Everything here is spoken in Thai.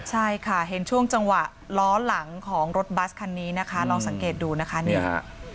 ใช่ค่ะเห็นช่วงจังหวะล้อหลังของรถบัสคันนี้นะคะลองสังเกตดูนะคะเนี่ย